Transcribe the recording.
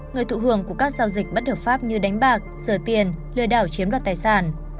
người thụ hưởng của các giao dịch bất hợp pháp như đánh bạc rửa tiền lừa đảo chiếm đoạt tài sản